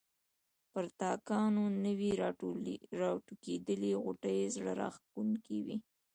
پر تاکانو نوي راټوکېدلي غوټۍ زړه راکښونکې وې.